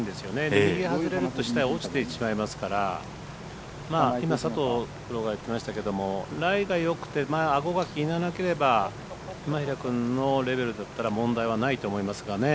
右に外れると下に落ちてしまいますから今、佐藤プロが言ってましたけれどもライがよくてアゴが気にならなければ今平君のレベルだったら問題はないと思いますがね。